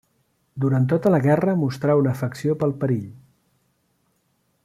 Durant tota la guerra mostrà una afecció pel perill.